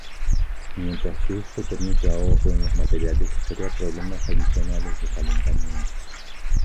Mientras que esto permite ahorro en los materiales, crea problemas adicionales de calentamiento.